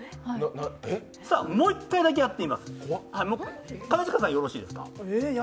もう１回だけやってみます。